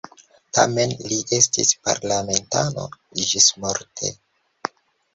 Tamen li estis parlamentano ĝismorte.